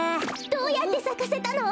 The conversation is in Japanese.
どうやってさかせたの？